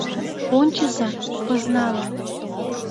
— Ончыза, пызналын